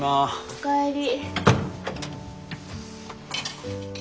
おかえり。